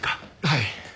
はい。